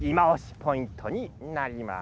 ポイントになります。